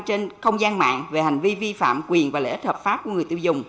trên không gian mạng về hành vi vi phạm quyền và lễ hợp pháp của người tiêu dùng